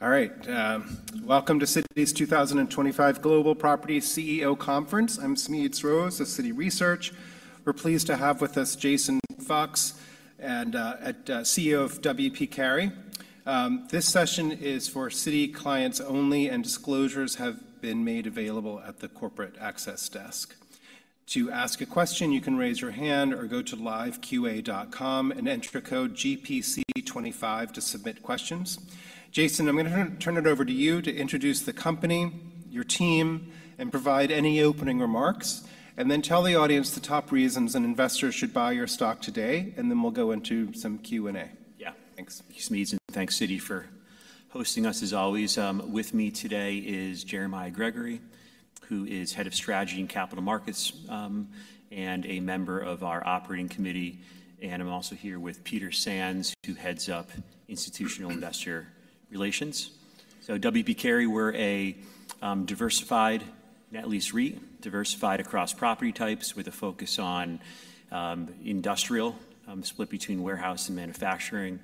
All right. Welcome to Citi's 2025 Global Property CEO Conference. I'm Smedes Rose of Citi Research. We're pleased to have with us Jason Fox, CEO of W. P. Carey. This session is for Citi clients only, and disclosures have been made available at the corporate access desk. To ask a question, you can raise your hand or go to liveqa.com and enter code GPC25 to submit questions. Jason, I'm going to turn it over to you to introduce the company, your team, and provide any opening remarks, and then tell the audience the top reasons an investor should buy your stock today, and then we'll go into some Q&A. Yeah. Thanks, Smedes, and thanks, Citi, for hosting us. As always, with me today is Jeremiah Gregory, who is head of strategy and capital markets and a member of our operating committee, and I'm also here with Peter Sands, who heads up institutional investor relations, so W. P. Carey, we're a diversified net lease REIT, diversified across property types with a focus on industrial, split between warehouse and manufacturing,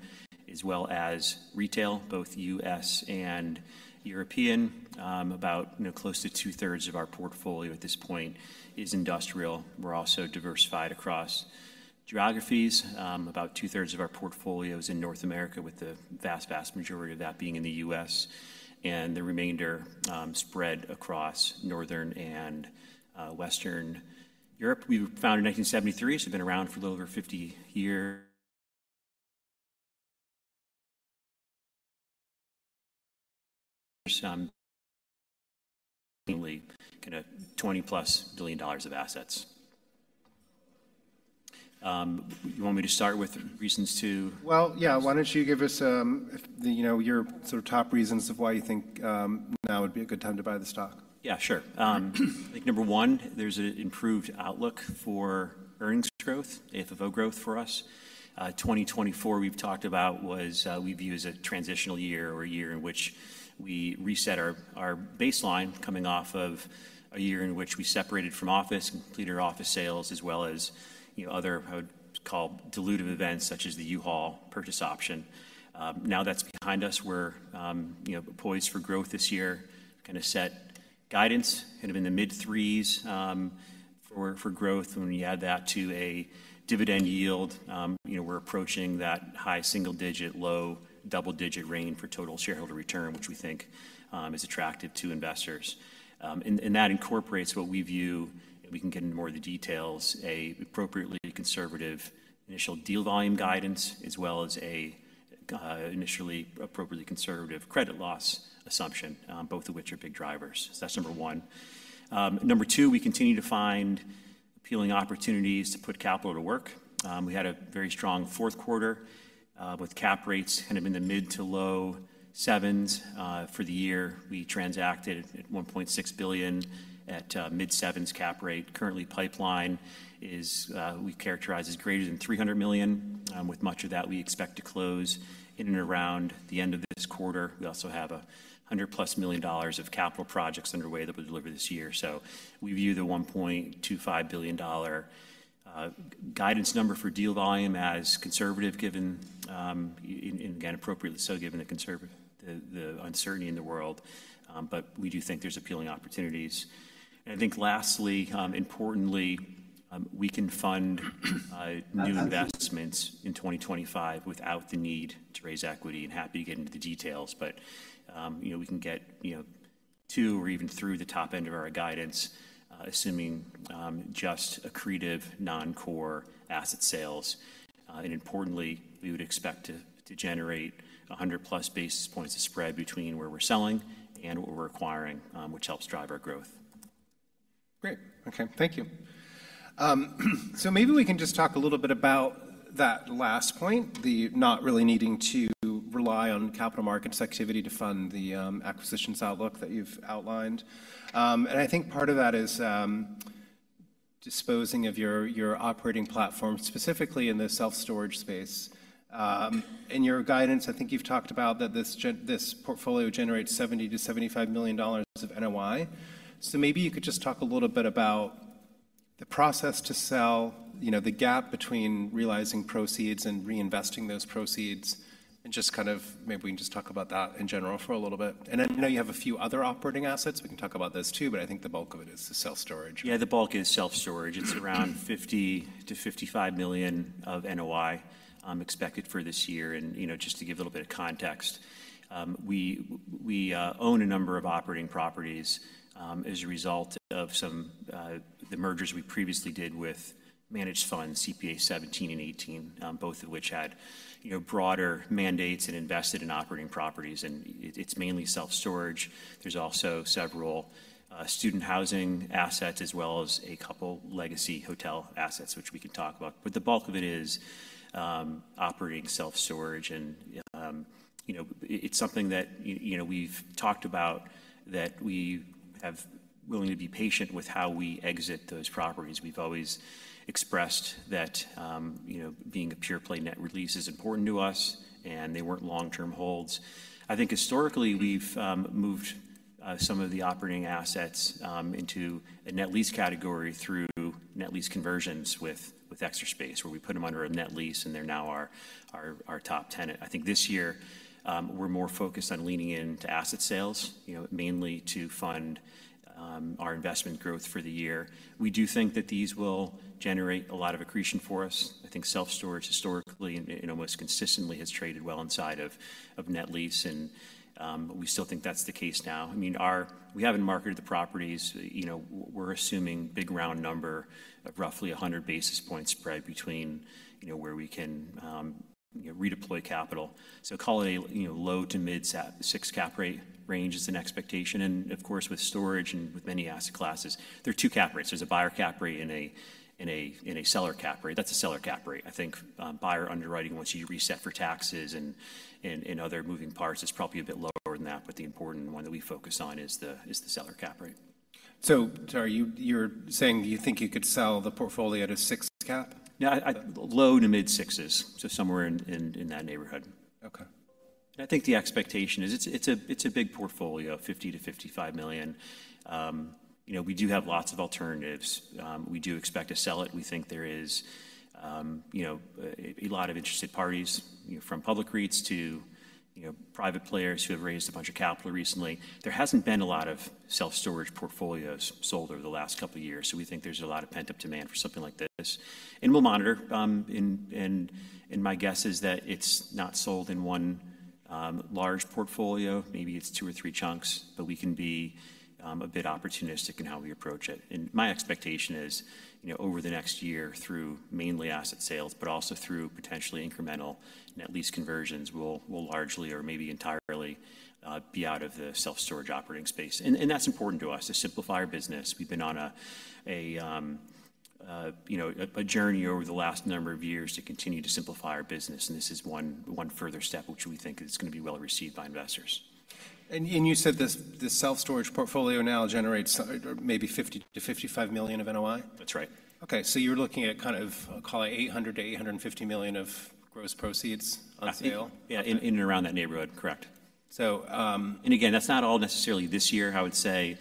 as well as retail, both U.S. and European. About close to two-thirds of our portfolio at this point is industrial. We're also diversified across geographies. About two-thirds of our portfolio is in North America, with the vast, vast majority of that being in the U.S., and the remainder spread across Northern and Western Europe. We were founded in 1973, so we've been around for a little over 50 years. Kind of $20 billion+ of assets. You want me to start with reasons to? Yeah. Why don't you give us your sort of top reasons of why you think now would be a good time to buy the stock? Yeah, sure. I think number one, there's an improved outlook for earnings growth, AFO growth for us. 2024, we've talked about, was we view as a transitional year or a year in which we reset our baseline coming off of a year in which we separated from office, completed our office sales, as well as other, I would call, dilutive events such as the U-Haul purchase option. Now that's behind us. We're poised for growth this year, kind of set guidance, kind of in the mid-threes for growth. When we add that to a dividend yield, we're approaching that high single-digit, low double-digit range for total shareholder return, which we think is attractive to investors. And that incorporates what we view, and we can get into more of the details, an appropriately conservative initial deal volume guidance, as well as an initially appropriately conservative credit loss assumption, both of which are big drivers. That's number one. Number two, we continue to find appealing opportunities to put capital to work. We had a very strong fourth quarter with cap rates kind of in the mid- to low-sevens for the year. We transacted at $1.6 billion at mid-sevens cap rate. Currently, pipeline is we characterize as greater than $300 million, with much of that we expect to close in and around the end of this quarter. We also have $100 million+ of capital projects underway that we'll deliver this year. So we view the $1.25 billion guidance number for deal volume as conservative, given, and again, appropriately so, given the uncertainty in the world, but we do think there's appealing opportunities, and I think lastly, importantly, we can fund new investments in 2025 without the need to raise equity, and happy to get into the details, but we can get to or even through the top end of our guidance, assuming just accretive non-core asset sales, and importantly, we would expect to generate a hundred-plus basis points of spread between where we're selling and what we're acquiring, which helps drive our growth. Great. Okay. Thank you. So maybe we can just talk a little bit about that last point, the not really needing to rely on capital markets activity to fund the acquisitions outlook that you've outlined, and I think part of that is disposing of your operating platform, specifically in the self-storage space. In your guidance, I think you've talked about that this portfolio generates $70 million-$75 million of NOI, so maybe you could just talk a little bit about the process to sell, the gap between realizing proceeds and reinvesting those proceeds, and just kind of maybe we can just talk about that in general for a little bit, and I know you have a few other operating assets. We can talk about those too, but I think the bulk of it is the self-storage. Yeah, the bulk is self-storage. It's around $50 million-$55 million of NOI expected for this year. And just to give a little bit of context, we own a number of operating properties as a result of some of the mergers we previously did with managed funds, CPA 17 and 18, both of which had broader mandates and invested in operating properties. And it's mainly self-storage. There's also several student housing assets, as well as a couple legacy hotel assets, which we can talk about. But the bulk of it is operating self-storage. And it's something that we've talked about that we have willingly to be patient with how we exit those properties. We've always expressed that being a pure play net lease is important to us, and they weren't long-term holds. I think historically, we've moved some of the operating assets into a net lease category through net lease conversions with Extra Space, where we put them under a net lease, and they're now our top tenant. I think this year, we're more focused on leaning into asset sales, mainly to fund our investment growth for the year. We do think that these will generate a lot of accretion for us. I think self-storage historically and almost consistently has traded well inside of net lease, and we still think that's the case now. I mean, we haven't marketed the properties. We're assuming big round number of roughly a hundred basis points spread between where we can redeploy capital. So call it a low to mid-six cap rate range is an expectation, and of course, with storage and with many asset classes, there are two cap rates. There's a buyer cap rate and a seller cap rate. That's a seller cap rate. I think buyer underwriting, once you reset for taxes and other moving parts, is probably a bit lower than that. But the important one that we focus on is the seller cap rate. Sorry, you're saying you think you could sell the portfolio at a six cap? Yeah. Low to mid-sixes, so somewhere in that neighborhood. Okay. I think the expectation is it's a big portfolio of $50 million-$55 million. We do have lots of alternatives. We do expect to sell it. We think there is a lot of interested parties from public REITs to private players who have raised a bunch of capital recently. There hasn't been a lot of self-storage portfolios sold over the last couple of years, so we think there's a lot of pent-up demand for something like this, and we'll monitor, and my guess is that it's not sold in one large portfolio. Maybe it's two or three chunks, but we can be a bit opportunistic in how we approach it, and my expectation is over the next year, through mainly asset sales, but also through potentially incremental net lease conversions, we'll largely or maybe entirely be out of the self-storage operating space. That's important to us to simplify our business. We've been on a journey over the last number of years to continue to simplify our business. This is one further step, which we think is going to be well received by investors. And you said this self-storage portfolio now generates maybe $50 million-$55 million of NOI? That's right. Okay. So you're looking at kind of, I'll call it $800 million-$850 million of gross proceeds on sale? Yeah, in and around that neighborhood. Correct. And again, that's not all necessarily this year. I would say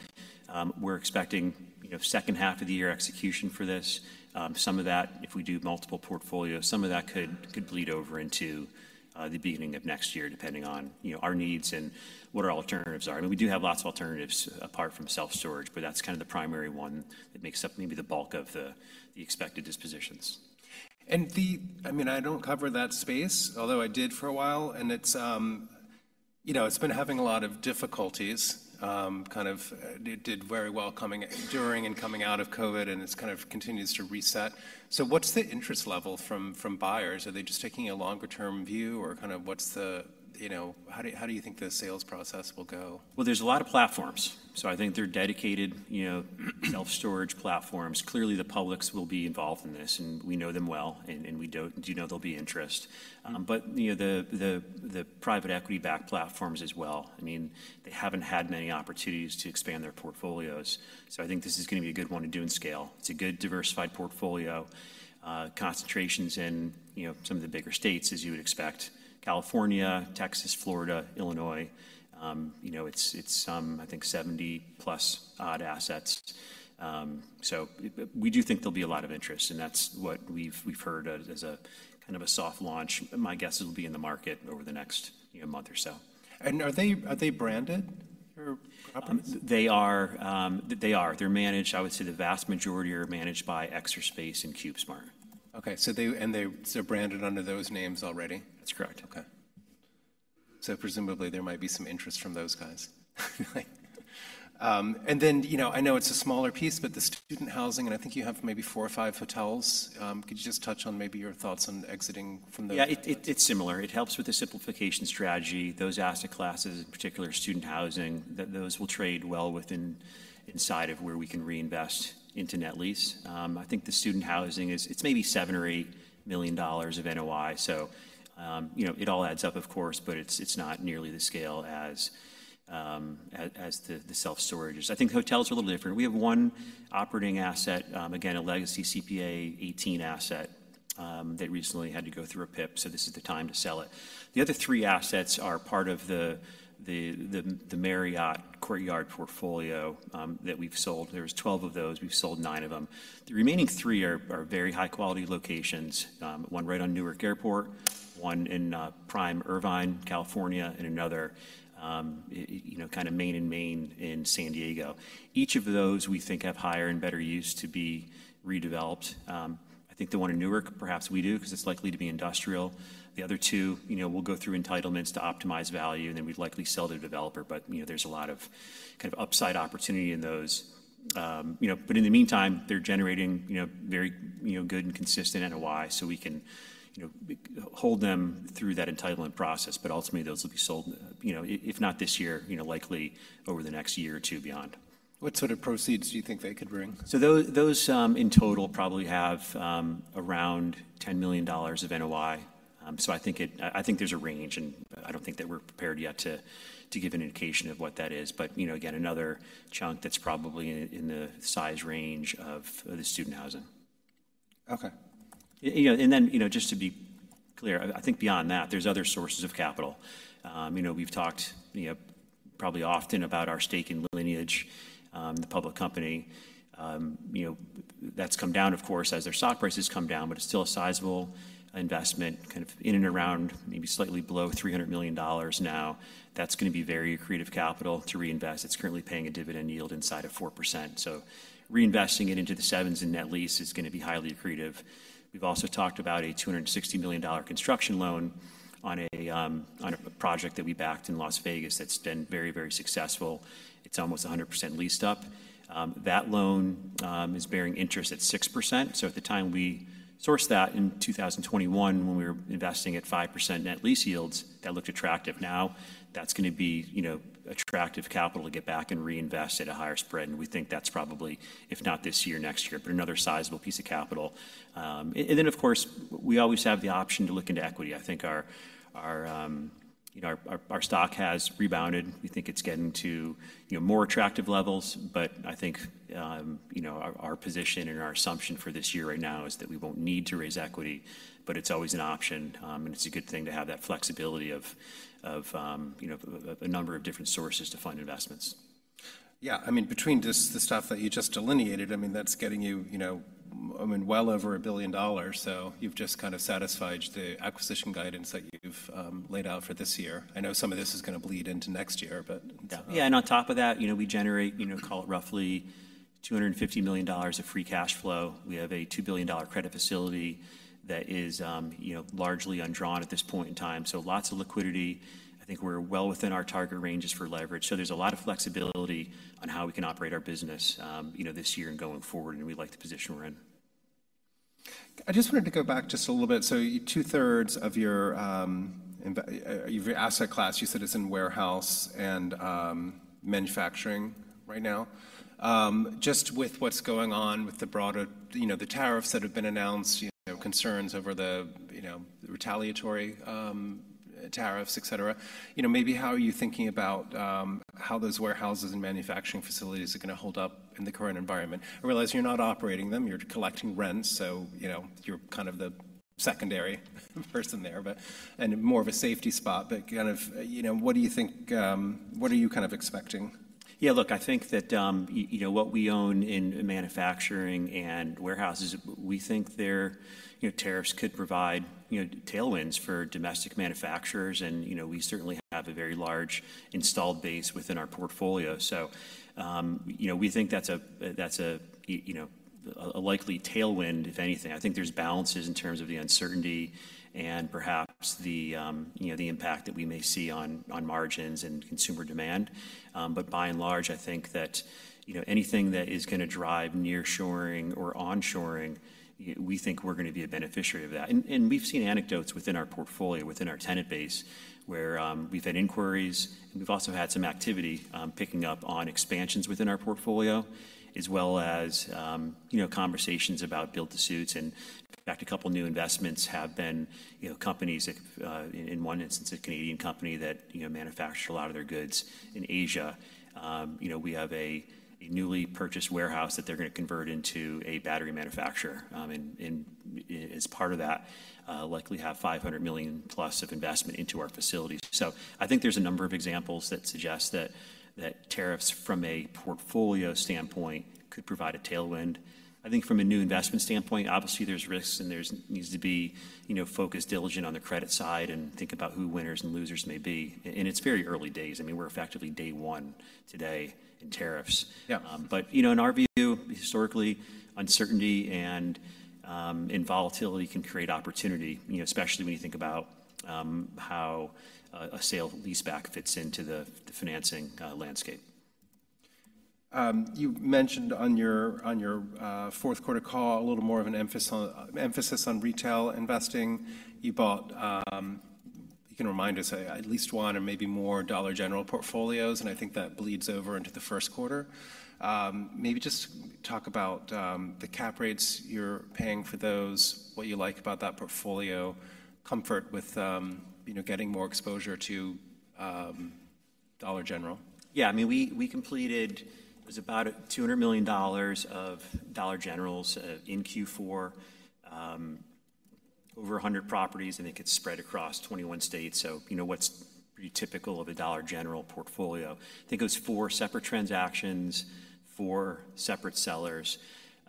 we're expecting second half of the year execution for this. Some of that, if we do multiple portfolios, some of that could bleed over into the beginning of next year, depending on our needs and what our alternatives are. I mean, we do have lots of alternatives apart from self-storage, but that's kind of the primary one that makes up maybe the bulk of the expected dispositions. And I mean, I don't cover that space, although I did for a while, and it's been having a lot of difficulties. Kind of did very well during and coming out of COVID, and it kind of continues to reset. So what's the interest level from buyers? Are they just taking a longer-term view, or kind of how do you think the sales process will go? There's a lot of platforms. I think they're dedicated self-storage platforms. Clearly, the publics will be involved in this, and we know them well, and we do know there'll be interest. The private equity-backed platforms as well. I mean, they haven't had many opportunities to expand their portfolios. I think this is going to be a good one to do in scale. It's a good diversified portfolio. Concentrations in some of the bigger states, as you would expect: California, Texas, Florida, Illinois. It's, I think, 70+ odd assets. We do think there'll be a lot of interest, and that's what we've heard as a kind of a soft launch. My guess is it'll be in the market over the next month or so. Are they branded? They are. I would say the vast majority are managed by Extra Space and CubeSmart. Okay. And they're branded under those names already? That's correct. Okay, so presumably there might be some interest from those guys, and then I know it's a smaller piece, but the student housing, and I think you have maybe four or five hotels. Could you just touch on maybe your thoughts on exiting from those? Yeah, it's similar. It helps with the simplification strategy. Those asset classes, in particular student housing, those will trade well inside of where we can reinvest into net lease. I think the student housing, it's maybe $7 million-$8 million of NOI. So it all adds up, of course, but it's not nearly the scale as the self-storage is. I think hotels are a little different. We have one operating asset, again, a legacy CPA 18 asset that recently had to go through a PIP. So this is the time to sell it. The other three assets are part of the Marriott Courtyard portfolio that we've sold. There were 12 of those. We've sold nine of them. The remaining three are very high-quality locations. One right on Newark Airport, one in prime Irvine, California, and another in San Diego. Each of those we think have higher and better use to be redeveloped. I think the one in Newark, perhaps we do, because it's likely to be industrial. The other two, we'll go through entitlements to optimize value, and then we'd likely sell to a developer, but there's a lot of kind of upside opportunity in those, but in the meantime, they're generating very good and consistent NOI, so we can hold them through that entitlement process, but ultimately, those will be sold, if not this year, likely over the next year or two beyond. What sort of proceeds do you think they could bring? So those in total probably have around $10 million of NOI. So I think there's a range, and I don't think that we're prepared yet to give an indication of what that is. But again, another chunk that's probably in the size range of the student housing. Okay. And then just to be clear, I think beyond that, there's other sources of capital. We've talked probably often about our stake in Lineage, the public company. That's come down, of course, as their stock prices come down, but it's still a sizable investment kind of in and around maybe slightly below $300 million now. That's going to be very accretive capital to reinvest. It's currently paying a dividend yield inside of 4%. So reinvesting it into the 7% in net lease is going to be highly accretive. We've also talked about a $260 million construction loan on a project that we backed in Las Vegas that's been very, very successful. It's almost 100% leased up. That loan is bearing interest at 6%. So at the time we sourced that in 2021, when we were investing at 5% net lease yields, that looked attractive. Now, that's going to be attractive capital to get back and reinvest at a higher spread. And we think that's probably, if not this year, next year, but another sizable piece of capital. And then, of course, we always have the option to look into equity. I think our stock has rebounded. We think it's getting to more attractive levels. But I think our position and our assumption for this year right now is that we won't need to raise equity, but it's always an option. And it's a good thing to have that flexibility of a number of different sources to fund investments. Yeah. I mean, between the stuff that you just delineated, I mean, that's getting you well over $1 billion. So you've just kind of satisfied the acquisition guidance that you've laid out for this year. I know some of this is going to bleed into next year, but. Yeah. And on top of that, we generate, call it roughly $250 million of free cash flow. We have a $2 billion credit facility that is largely undrawn at this point in time. So lots of liquidity. I think we're well within our target ranges for leverage. So there's a lot of flexibility on how we can operate our business this year and going forward, and we like the position we're in. I just wanted to go back just a little bit, so 2/3 of your asset class, you said it's in warehouse and manufacturing right now. Just with what's going on with the broader tariffs that have been announced, concerns over the retaliatory tariffs, etc., maybe how are you thinking about how those warehouses and manufacturing facilities are going to hold up in the current environment? I realize you're not operating them. You're collecting rents, so you're kind of the secondary person there, and more of a safety spot, but kind of what do you think? What are you kind of expecting? Yeah, look, I think that what we own in manufacturing and warehouses, we think their tariffs could provide tailwinds for domestic manufacturers. And we certainly have a very large installed base within our portfolio. So we think that's a likely tailwind, if anything. I think there's balances in terms of the uncertainty and perhaps the impact that we may see on margins and consumer demand. But by and large, I think that anything that is going to drive nearshoring or onshoring, we think we're going to be a beneficiary of that. And we've seen anecdotes within our portfolio, within our tenant base, where we've had inquiries. And we've also had some activity picking up on expansions within our portfolio, as well as conversations about build-to-suits. In fact, a couple of new investments have been companies that, in one instance, a Canadian company that manufactures a lot of their goods in Asia. We have a newly purchased warehouse that they're going to convert into a battery manufacturer. And as part of that, likely have $500 million plus of investment into our facilities. So I think there's a number of examples that suggest that tariffs from a portfolio standpoint could provide a tailwind. I think from a new investment standpoint, obviously there's risks, and there needs to be focused diligence on the credit side and think about who winners and losers may be. And it's very early days. I mean, we're effectively day one today in tariffs. But in our view, historically, uncertainty and volatility can create opportunity, especially when you think about how a sale lease-back fits into the financing landscape. You mentioned on your fourth quarter call a little more of an emphasis on retail investing. You bought, you can remind us, at least one or maybe more Dollar General portfolios, and I think that bleeds over into the first quarter. Maybe just talk about the cap rates you're paying for those, what you like about that portfolio, comfort with getting more exposure to Dollar General. Yeah. I mean, we completed about $200 million of Dollar General in Q4, over 100 properties, and it could spread across 21 states. So what's pretty typical of a Dollar General portfolio. I think it was four separate transactions, four separate sellers.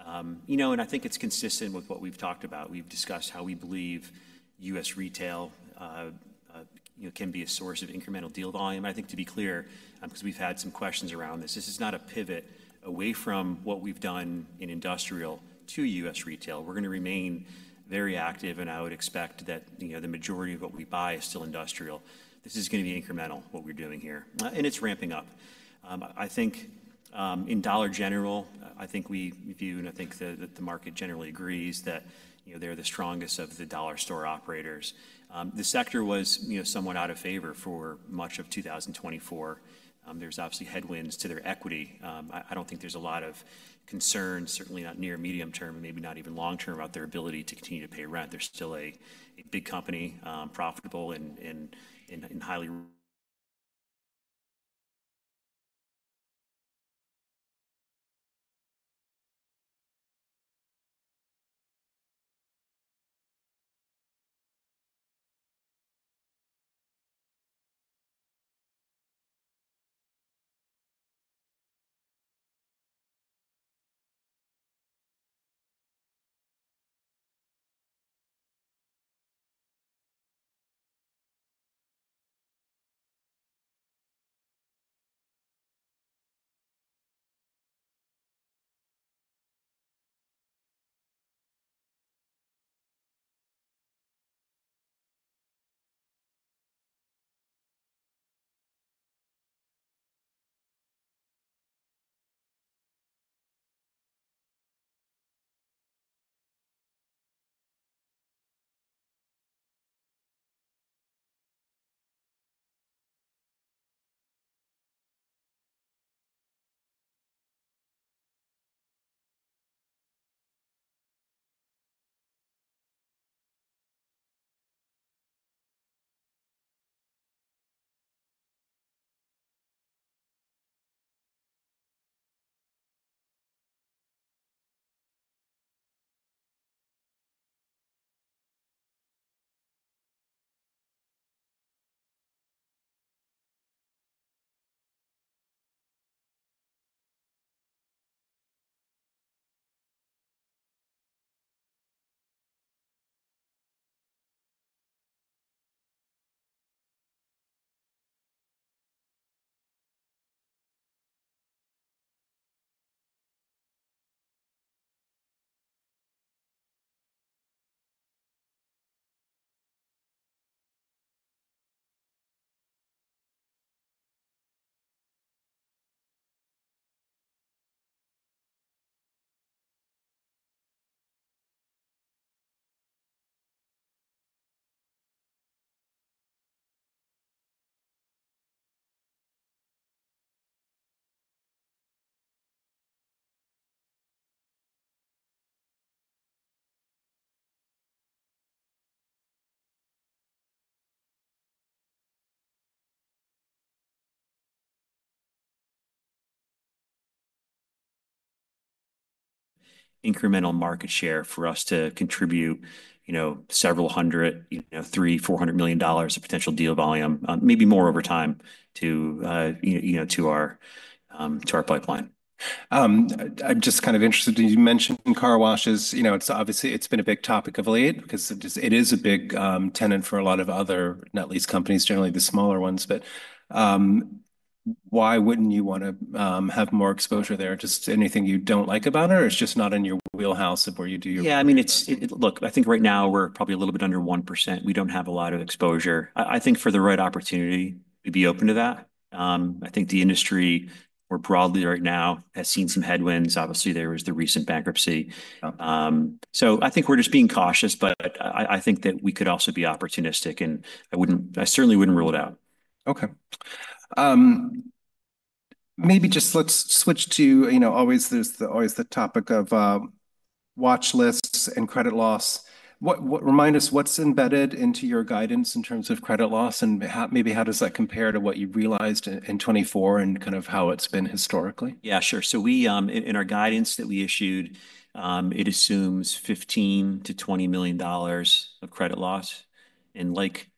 And I think it's consistent with what we've talked about. We've discussed how we believe U.S. retail can be a source of incremental deal volume. I think to be clear, because we've had some questions around this, this is not a pivot away from what we've done in industrial to U.S. retail. We're going to remain very active, and I would expect that the majority of what we buy is still industrial. This is going to be incremental, what we're doing here. And it's ramping up. I think in Dollar General, I think we view, and I think that the market generally agrees that they're the strongest of the dollar store operators. The sector was somewhat out of favor for much of 2024. There's obviously headwinds to their equity. I don't think there's a lot of concern, certainly not near medium term, maybe not even long term, about their ability to continue to pay rent. They're still a big company, profitable and highly. Incremental market share for us to contribute several hundred, $300 million, $400 million of potential deal volume, maybe more over time to our pipeline. I'm just kind of interested in you mentioned car washes. It's obviously been a big topic of late because it is a big tenant for a lot of other net lease companies, generally the smaller ones. But why wouldn't you want to have more exposure there? Just anything you don't like about it or it's just not in your wheelhouse of where you do your work? Yeah. I mean, look, I think right now we're probably a little bit under 1%. We don't have a lot of exposure. I think for the right opportunity, we'd be open to that. I think the industry more broadly right now has seen some headwinds. Obviously, there was the recent bankruptcy. So I think we're just being cautious, but I think that we could also be opportunistic, and I certainly wouldn't rule it out. Okay. Maybe just let's switch to always the topic of watch lists and credit loss. Remind us, what's embedded into your guidance in terms of credit loss? And maybe how does that compare to what you realized in 2024 and kind of how it's been historically? Yeah, sure. So in our guidance that we issued, it assumes $15 million-$20 million of credit loss. And like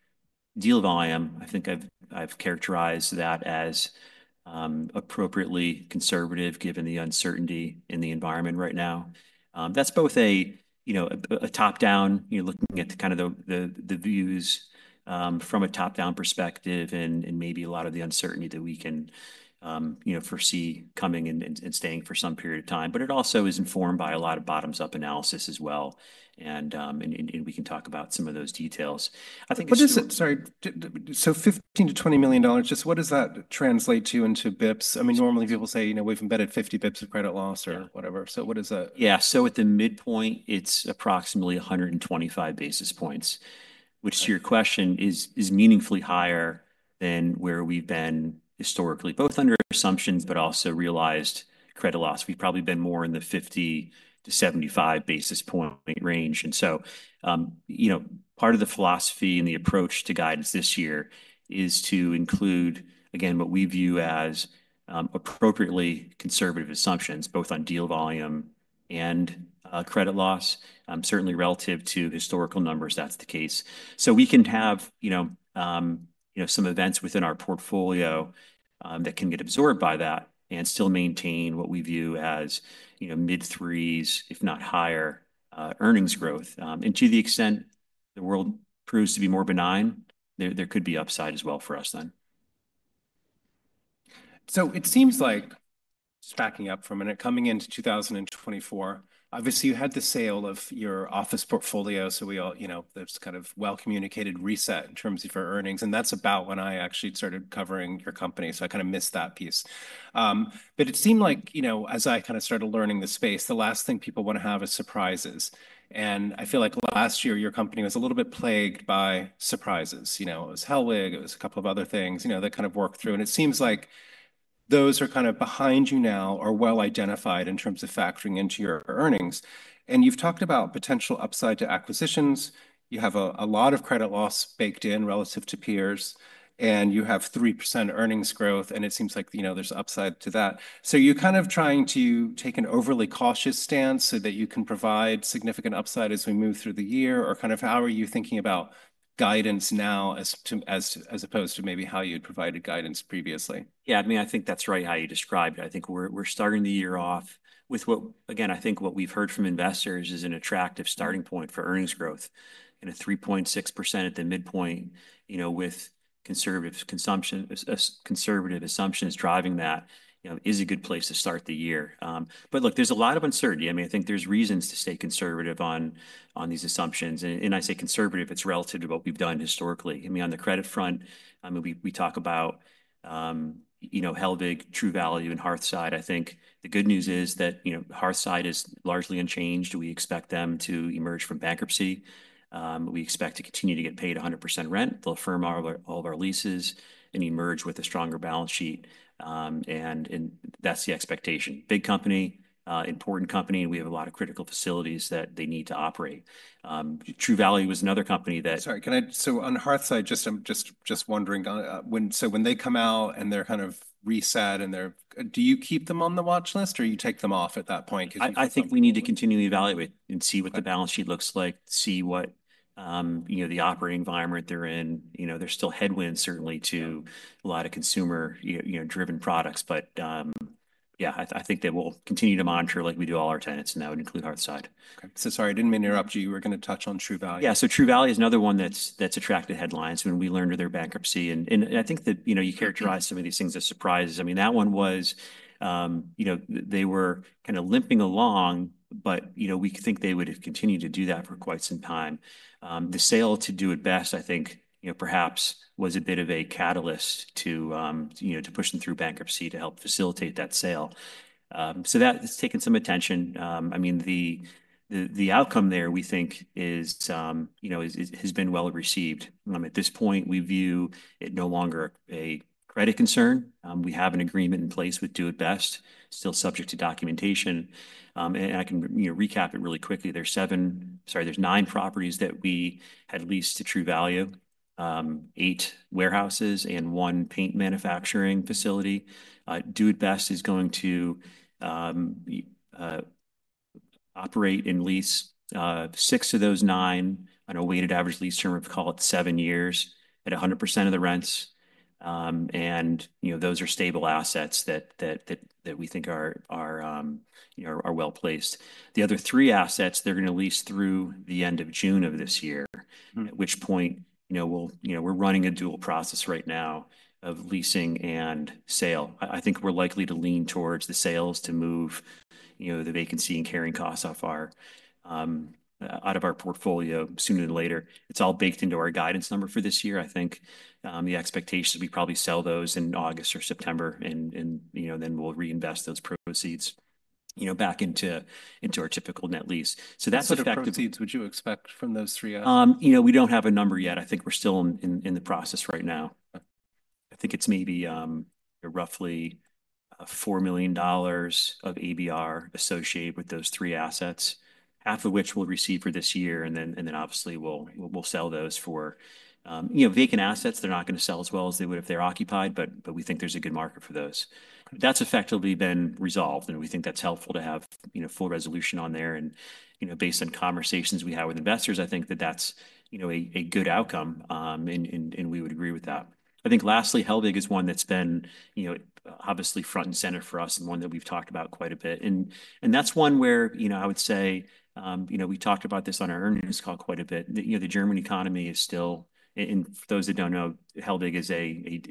deal volume, I think I've characterized that as appropriately conservative given the uncertainty in the environment right now. That's both a top-down, looking at kind of the views from a top-down perspective and maybe a lot of the uncertainty that we can foresee coming and staying for some period of time. But it also is informed by a lot of bottoms-up analysis as well. And we can talk about some of those details. I think it's. What is it? Sorry. So $15 million-$20 million, just what does that translate to into basis points? I mean, normally people say we've embedded 50 basis points of credit loss or whatever. So what is that? Yeah. So at the midpoint, it's approximately 125 basis points, which to your question is meaningfully higher than where we've been historically, both under assumptions, but also realized credit loss. We've probably been more in the 50 basis points-75 basis points range. And so part of the philosophy and the approach to guidance this year is to include, again, what we view as appropriately conservative assumptions, both on deal volume and credit loss. Certainly relative to historical numbers, that's the case. So we can have some events within our portfolio that can get absorbed by that and still maintain what we view as mid-threes, if not higher earnings growth. And to the extent the world proves to be more benign, there could be upside as well for us then. So it seems like just backing up from a minute, coming into 2024, obviously you had the sale of your office portfolio. There's kind of a well-communicated reset in terms of your earnings. That's about when I actually started covering your company. I kind of missed that piece. It seemed like as I kind of started learning the space, the last thing people want to have is surprises. I feel like last year your company was a little bit plagued by surprises. It was Hellweg. It was a couple of other things that kind of worked through. Those are kind of behind you now or well identified in terms of factoring into your earnings. You've talked about potential upside to acquisitions. You have a lot of credit loss baked in relative to peers. You have 3% earnings growth. It seems like there's upside to that. So you're kind of trying to take an overly cautious stance so that you can provide significant upside as we move through the year. Or kind of how are you thinking about guidance now as opposed to maybe how you'd provided guidance previously? Yeah. I mean, I think that's right how you described it. I think we're starting the year off with what, again, I think what we've heard from investors is an attractive starting point for earnings growth, and a 3.6% at the midpoint with conservative assumptions driving that is a good place to start the year. But look, there's a lot of uncertainty. I mean, I think there's reasons to stay conservative on these assumptions, and I say conservative, it's relative to what we've done historically. I mean, on the credit front, I mean, we talk about Hellweg, True Value, and Hearthside. I think the good news is that Hearthside is largely unchanged. We expect them to emerge from bankruptcy. We expect to continue to get paid 100% rent, fulfill all of our leases, and emerge with a stronger balance sheet, and that's the expectation. Big company, important company. We have a lot of critical facilities that they need to operate. True Value was another company that. Sorry. So on Hearthside, just wondering, so when they come out and they're kind of reset, do you keep them on the watch list or you take them off at that point? I think we need to continue to evaluate and see what the balance sheet looks like, see what the operating environment they're in. There's still headwinds certainly to a lot of consumer-driven products. But yeah, I think that we'll continue to monitor like we do all our tenants. And that would include Hearthside. Okay, so sorry, I didn't mean to interrupt you. You were going to touch on True Value. Yeah. So True Value is another one that's attracted headlines when we learned of their bankruptcy. And I think that you characterize some of these things as surprises. I mean, that one was they were kind of limping along, but we think they would have continued to do that for quite some time. The sale to Do it Best, I think perhaps was a bit of a catalyst to push them through bankruptcy to help facilitate that sale. So that's taken some attention. I mean, the outcome there we think has been well received. At this point, we view it no longer a credit concern. We have an agreement in place with Do it Best, still subject to documentation. And I can recap it really quickly. Sorry, there's nine properties that we had leased to True Value: eight warehouses and one paint manufacturing facility. Do it Best is going to operate and lease six of those nine on a weighted average lease term, call it seven years at 100% of the rents, and those are stable assets that we think are well placed. The other three assets, they're going to lease through the end of June of this year, at which point we're running a dual process right now of leasing and sale. I think we're likely to lean towards the sales to move the vacancy and carrying costs out of our portfolio sooner than later. It's all baked into our guidance number for this year. I think the expectation is we probably sell those in August or September, and then we'll reinvest those proceeds back into our typical net lease, so that's effective. What proceeds would you expect from those three? We don't have a number yet. I think we're still in the process right now. I think it's maybe roughly $4 million of ABR associated with those three assets, half of which we'll receive for this year. Then obviously we'll sell those for vacant assets. They're not going to sell as well as they would if they're occupied, but we think there's a good market for those. That's effectively been resolved. We think that's helpful to have full resolution on there. Based on conversations we have with investors, I think that that's a good outcome. We would agree with that. I think lastly, Hellweg is one that's been obviously front and center for us and one that we've talked about quite a bit. That's one where I would say we talked about this on our earnings call quite a bit. The German economy is still, and for those that don't know, Hellweg is a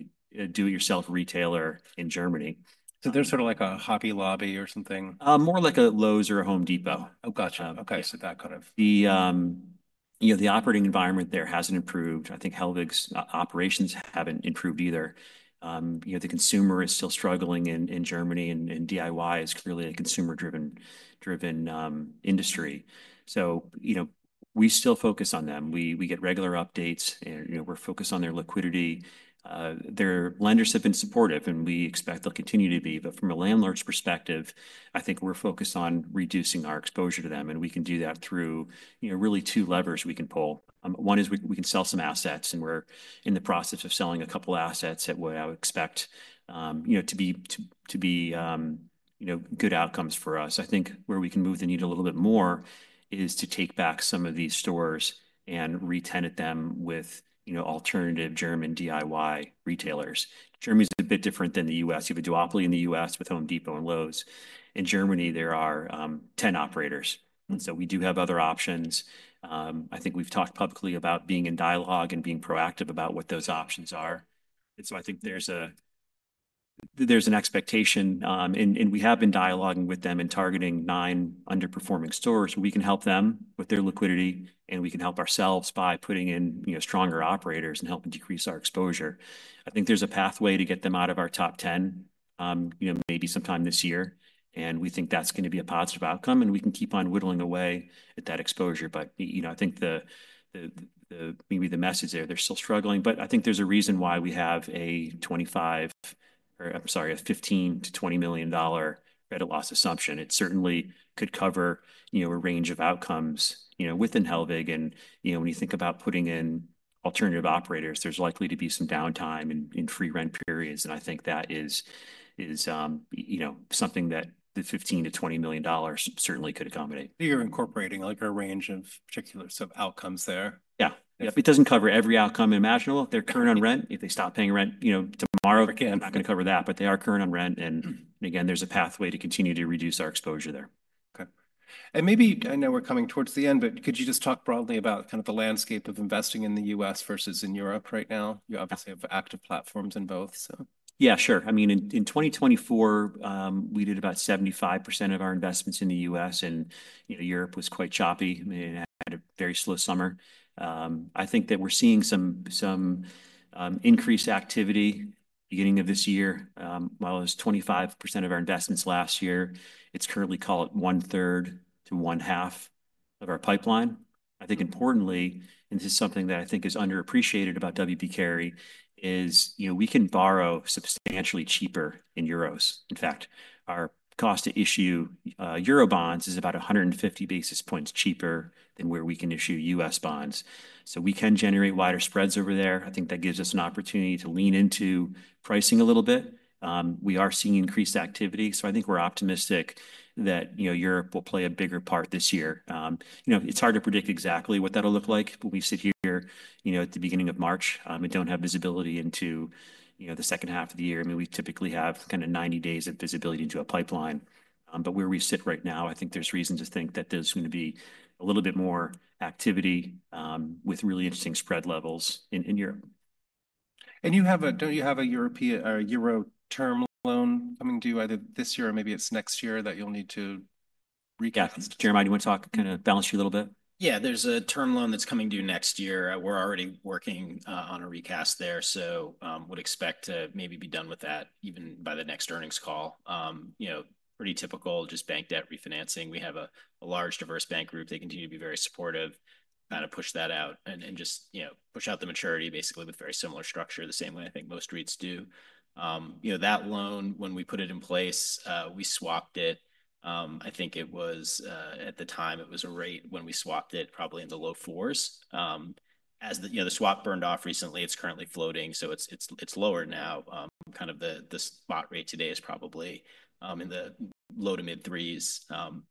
do-it-yourself retailer in Germany. So they're sort of like a Hobby Lobby or something? More like a Lowe's or a Home Depot. Oh, gotcha. Okay. So that kind of. The operating environment there hasn't improved. I think Hellweg's operations haven't improved either. The consumer is still struggling in Germany, and DIY is clearly a consumer-driven industry, so we still focus on them. We get regular updates. We're focused on their liquidity. Their lenders have been supportive, and we expect they'll continue to be. But from a landlord's perspective, I think we're focused on reducing our exposure to them, and we can do that through really two levers we can pull. One is we can sell some assets, and we're in the process of selling a couple of assets that would, I would expect to be good outcomes for us. I think where we can move the needle a little bit more is to take back some of these stores and re-tenant them with alternative German DIY retailers. Germany is a bit different than the U.S. You have a duopoly in the U.S. with Home Depot and Lowe's. In Germany, there are 10 operators, and so we do have other options. I think we've talked publicly about being in dialogue and being proactive about what those options are, and so I think there's an expectation, and we have been dialoguing with them and targeting nine underperforming stores. We can help them with their liquidity, and we can help ourselves by putting in stronger operators and helping decrease our exposure. I think there's a pathway to get them out of our top 10 maybe sometime this year, and we think that's going to be a positive outcome, and we can keep on whittling away at that exposure, but I think maybe the message there, they're still struggling. I think there's a reason why we have a $25 million, or I'm sorry, a $15 million-$20 million credit loss assumption. It certainly could cover a range of outcomes within Hellweg. And when you think about putting in alternative operators, there's likely to be some downtime in free rent periods. And I think that is something that the $15 million-$20 million certainly could accommodate. You're incorporating a range of particular sort of outcomes there. Yeah. It doesn't cover every outcome imaginable. They're current on rent. If they stop paying rent tomorrow, I'm not going to cover that. But they are current on rent, and again, there's a pathway to continue to reduce our exposure there. Okay. And maybe I know we're coming towards the end, but could you just talk broadly about kind of the landscape of investing in the U.S. versus in Europe right now? You obviously have active platforms in both, so. Yeah, sure. I mean, in 2024, we did about 75% of our investments in the U.S., and Europe was quite choppy and had a very slow summer. I think that we're seeing some increased activity beginning of this year. While it was 25% of our investments last year, it's currently called one-third to one-half of our pipeline. I think importantly, and this is something that I think is underappreciated about W. P. Carey, is we can borrow substantially cheaper in euros. In fact, our cost to issue euro bonds is about 150 basis points cheaper than where we can issue U.S. bonds. So we can generate wider spreads over there. I think that gives us an opportunity to lean into pricing a little bit. We are seeing increased activity, so I think we're optimistic that Europe will play a bigger part this year. It's hard to predict exactly what that'll look like. But we sit here at the beginning of March and don't have visibility into the second half of the year. I mean, we typically have kind of 90 days of visibility into a pipeline. But where we sit right now, I think there's reason to think that there's going to be a little bit more activity with really interesting spread levels in Europe. Don't you have a European or a Euro term loan coming due either this year or maybe it's next year that you'll need to recast? Yeah. Jeremiah, do you want to talk, kind of balance you a little bit? Yeah. There's a term loan that's coming due next year. We're already working on a recast there. So we'd expect to maybe be done with that even by the next earnings call. Pretty typical, just bank debt refinancing. We have a large diverse bank group. They continue to be very supportive, kind of push that out and just push out the maturity basically with very similar structure, the same way I think most REITs do. That loan, when we put it in place, we swapped it. I think it was at the time it was a rate when we swapped it probably in the low fours. As the swap burned off recently, it's currently floating. So it's lower now. Kind of the spot rate today is probably in the low to mid-threes.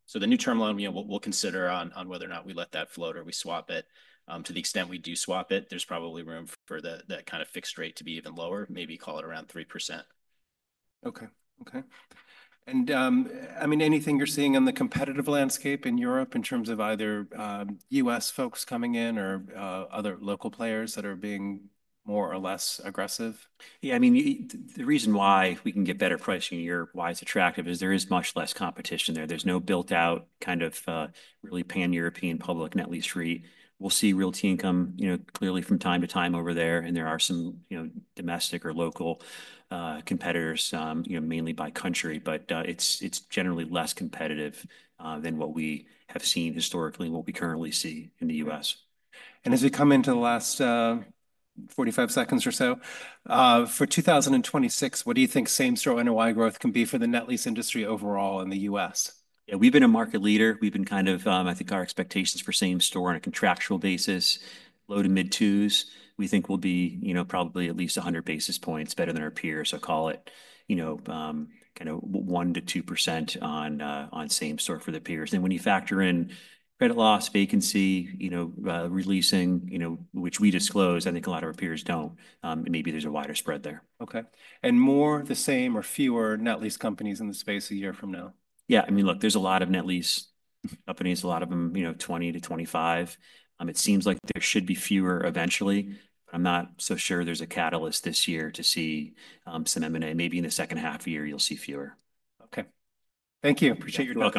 So the new term loan, we'll consider on whether or not we let that float or we swap it. To the extent we do swap it, there's probably room for that kind of fixed rate to be even lower, maybe call it around 3%. Okay. And I mean, anything you're seeing on the competitive landscape in Europe in terms of either US folks coming in or other local players that are being more or less aggressive? Yeah. I mean, the reason why we can get better pricing in Europe, why it's attractive, is there is much less competition there. There's no built-out kind of really pan-European public net lease REIT. We'll see Realty Income clearly from time to time over there. And there are some domestic or local competitors, mainly by country, but it's generally less competitive than what we have seen historically and what we currently see in the U.S. And as we come into the last 45 seconds or so, for 2026, what do you think same-store NOI growth can be for the net lease industry overall in the U.S.? Yeah. We've been a market leader. We've been kind of, I think our expectations for same-store on a contractual basis, low to mid 2%, we think will be probably at least 100 basis points better than our peers. I'll call it kind of 1%-2% on same-store for the peers. Then when you factor in credit loss, vacancy, releasing, which we disclose, I think a lot of our peers don't. Maybe there's a wider spread there. Okay. And more the same or fewer net lease companies in the space a year from now? Yeah. I mean, look, there's a lot of net lease companies, a lot of them 20-25. It seems like there should be fewer eventually. I'm not so sure there's a catalyst this year to see some M&A. Maybe in the second half of the year, you'll see fewer. Okay. Thank you. Appreciate your talk.